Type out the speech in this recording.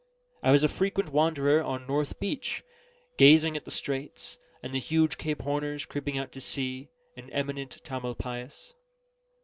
I was a frequent wanderer on North Beach, gazing at the straits, and the huge Cape Horners creeping out to sea, and imminent Tamalpais.